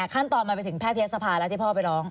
ขั้นตอนมันไปถึงแพทยศภาแล้วที่พ่อไปร้อง